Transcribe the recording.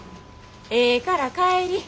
ええから帰り。